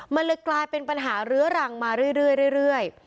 มันเลยกลายเป็นปัญหาเรื้อรังมาเรื่อย